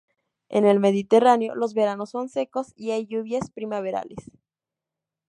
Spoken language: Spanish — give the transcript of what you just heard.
En el mediterráneo, los veranos son secos y hay lluvias primaverales.